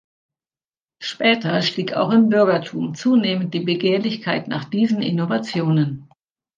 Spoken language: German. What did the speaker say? Später stieg auch im Bürgertum zunehmend die Begehrlichkeit nach diesen Innovationen.